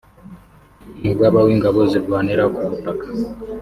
Umugaba w’Ingabo zirwanira ku butaka